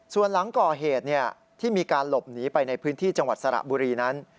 ส่วนหลังก่อเหตุที่มีการหลบหนีไปในพื้นที่จังหวัดสระบุรีนั้น